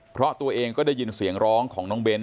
เพราะตัวเองก็ได้ยินเสียงร้องของน้องเน้น